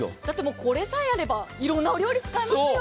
これさえあれば、いろんなお料理に使えますよ。